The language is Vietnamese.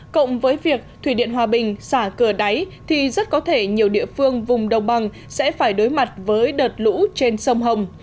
cộng với việc thủy điện hòa bình xả cửa đáy thì rất có thể nhiều địa phương vùng đồng bằng sẽ phải đối mặt với đợt lũ trên sông hồng